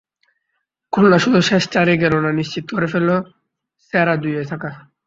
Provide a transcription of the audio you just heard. খুলনা শুধু শেষ চারেই গেল না, নিশ্চিত করে ফেলল সেরা দুইয়ে থাকা।